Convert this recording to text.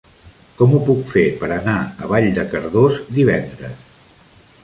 Com ho puc fer per anar a Vall de Cardós divendres?